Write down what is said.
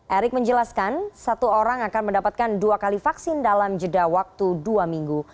erick menjelaskan satu orang akan mendapatkan dua kali vaksin dalam jeda waktu dua minggu